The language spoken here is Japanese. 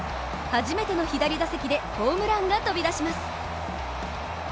初めての左打席でホームランが飛び出します。